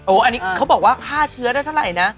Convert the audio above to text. อันนี้เขาบอกว่าฆ่าเชื้อได้เท่าไหร่นะ